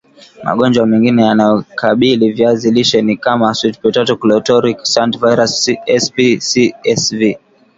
Magonjwa mengine yanayokabili viazi lishe ni kama Sweet Potato Chlorotic Stunt virus SPCSV